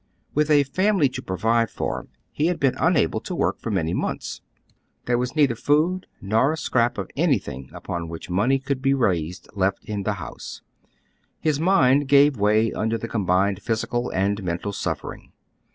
With a family to provide for, he had been nnable to work for many months. There was neither food, nor a scrap of anything upon which money could be raised, left in the house ; his mind gave way under the combined physical and mental suf fering.